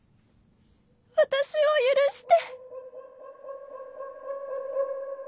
私を許して。